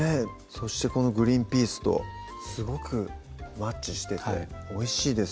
そしてこのグリンピースとすごくマッチしてておいしいです